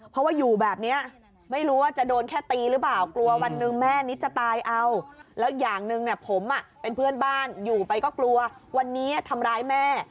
เพราะว่าอยู่แบบนี้ไม่รู้ว่าจะโดนแค่ตีหรือเปล่ากลัววันหนึ่งแม่นิดจะตายเอาแล้วอย่างหนึ่งเนี่ยผมเป็นเพื่อนบ้านอยู่ไปก็กลัววันนี้ทำร้ายแม่